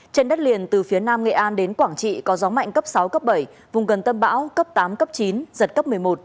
trên đất liền từ phía nam nghệ an đến quảng trị có gió mạnh cấp sáu cấp bảy vùng gần tâm bão cấp tám cấp chín giật cấp một mươi một